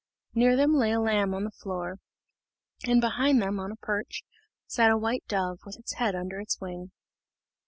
Near them lay a lamb on the floor, and behind them, on a perch, sat a white dove, with its head under its wing.